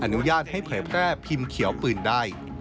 อนุญาตให้เผยแพร่พิมพ์เขียวปืนได้